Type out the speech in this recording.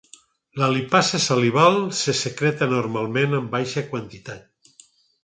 La lipasa salival se secreta normalment, en baixa quantitat.